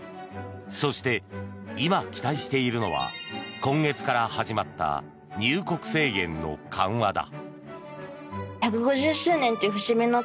そして、今期待しているのは今月から始まった入国制限の緩和だ。